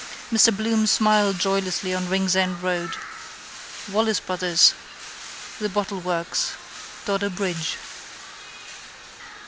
Mr Bloom smiled joylessly on Ringsend road. Wallace Bros: the bottleworks: Dodder bridge.